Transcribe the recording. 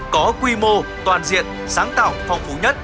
có quy mô toàn diện sáng tạo phong phú nhất